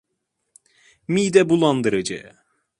Mide bulandırıcı.